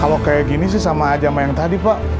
kalau kayak gini sih sama aja sama yang tadi pak